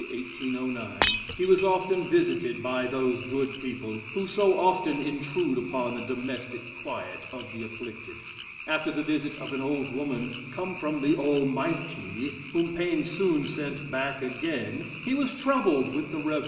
1809) he was often visited by those "good people" who so often intrude upon the domestic quiet of the afflicted. After the visit of an old woman, "come from the Almighty," (whom Paine soon sent back again) he was troubled with the Rev. Mr.